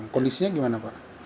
kondisinya gimana pak